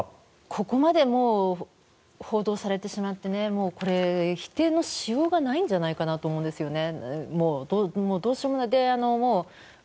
ここまでもう報道されてしまって否定のしようがないんじゃないかなと思うんですね。